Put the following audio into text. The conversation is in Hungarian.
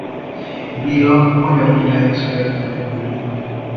Béla magyar királyhoz kellett menekülniük.